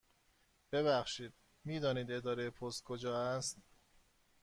ببخشید، می دانید اداره پست کجا است؟